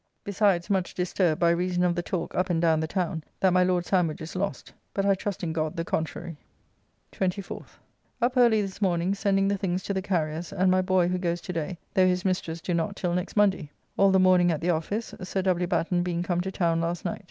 Besides much disturbed by reason of the talk up and down the town, that my Lord Sandwich is lost; but I trust in God the contrary. 24th. Up early this morning sending the things to the carrier's, and my boy, who goes to day, though his mistress do not till next Monday. All the morning at the office, Sir W. Batten being come to town last night.